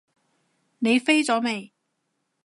你飛咗未？